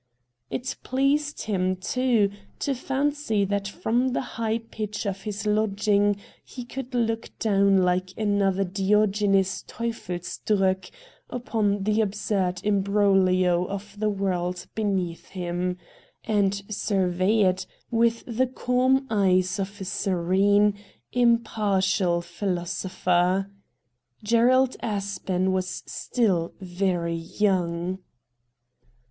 It pleased him, too, to fancy that from the high pitch of his lodging he could look down hke another Diogenes Teufelsdrockh upon the absurd imbroglio of the world beneath him, and survey it with the calm eyes of a serene, impartial philosopher. Gerald Aspen was still very young.